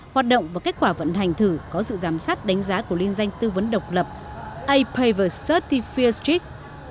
hoạt động và kết quả vận hành thử có sự giám sát đánh giá của linh danh tư vấn độc lập apv certified